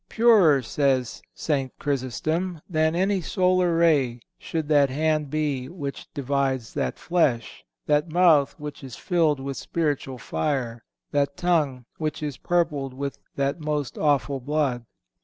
"Purer," says St. Chrysostom, "than any solar ray should that hand be which divides that flesh, that mouth which is filled with spiritual fire, that tongue which is purpled with that most awful blood."